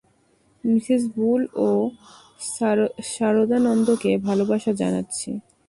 Mrs Bull ও সারদানন্দকে ভালবাসা জানাচ্ছি।